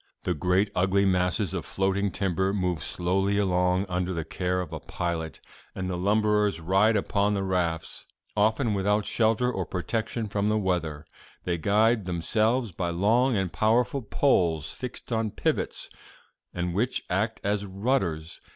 "'The great ugly masses of floating timber move slowly along under the care of a pilot, and the lumberers ride upon the rafts, often without shelter or protection from the weather. They guide themselves by long and powerful poles fixed on pivots, and which act as rudders.